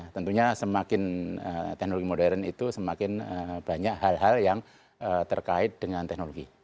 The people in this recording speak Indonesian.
tentunya semakin teknologi modern itu semakin banyak hal hal yang terkait dengan teknologi